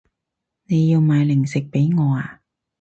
你要買零食畀我啊